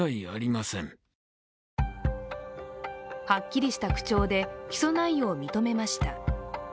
はっきりした口調で起訴内容を認めました。